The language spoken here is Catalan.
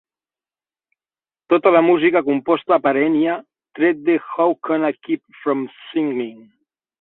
Tota la música composta per Enya, tret de "How Can I Keep from Singing?"